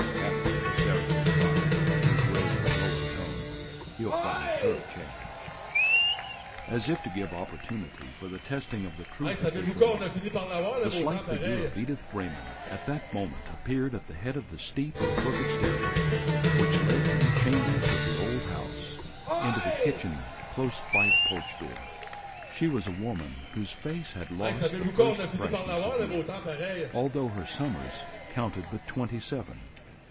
"Happen," Sarah responded, in a graver and lower tone, "he'll find her changed." As if to give opportunity for the testing of the truth of this remark, the slight figure of Edith Grayman at that moment appeared at the head of the steep and crooked stairway which led from the chambers of the old house into the kitchen close by the porch door. She was a woman whose face had lost the first freshness of youth, although her summers counted but twenty seven.